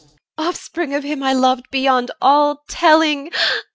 Offspring of him I loved beyond all telling!